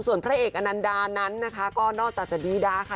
ส่วนพระเอกอนันดานั้นนะคะก็นอกจากจะดีดาค่ะ